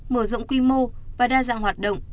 mở rộng quy mô và đa dạng hoạt động